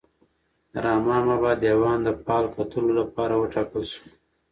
د رحمان بابا دیوان د فال کتلو لپاره وټاکل شو.